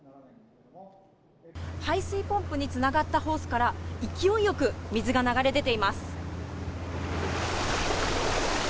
排水ポンプにつながったホースから、勢いよく水が流れ出ています。